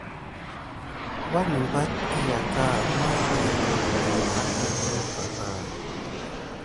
Wanəmbat əyaka mawu tat kudume aka umpay ba.